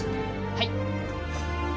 はい。